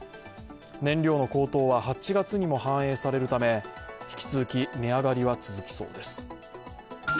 燃料の高騰は８月にも反映されるため引き続き値上がりは続きそうです。